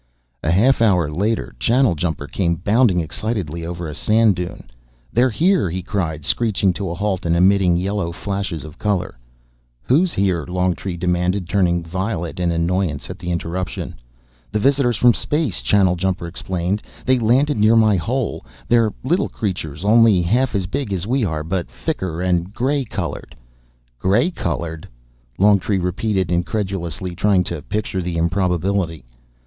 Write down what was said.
A half hour later, Channeljumper came bounding excitedly over a sand dune. "They're here," he cried, screeching to a halt and emitting yellow flashes of color. "Who's here?" Longtree demanded, turning violet in annoyance at the interruption. "The visitors from space," Channeljumper explained. "They landed near my hole. They're little creatures, only half as big as we are, but thicker and grey colored." "Grey colored?" Longtree repeated incredulously, trying to picture the improbability.